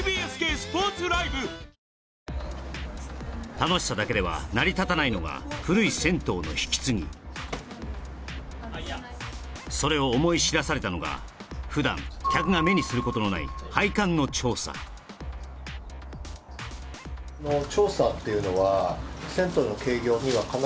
楽しさだけでは成り立たないのが古い銭湯の引き継ぎそれを思い知らされたのがふだん客が目にすることのない配管の調査そうですね